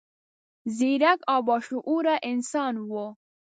ځیرک او با شعوره انسان و.